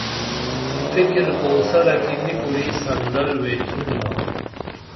فِکر کوثرہ کی نی کُری صندل ویچینُمہ